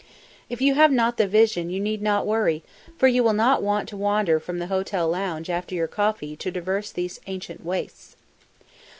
If you have not the vision you need not worry, for you will not want to wander from the hotel lounge after your coffee to traverse these ancient wastes.